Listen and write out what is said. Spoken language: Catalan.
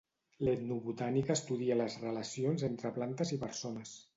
L'etnobotànica estudia les relacions entre plantes i persones